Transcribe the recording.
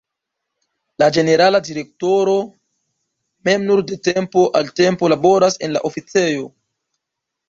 La ĝenerala direktoro mem nur de tempo al tempo laboras en la oficejo.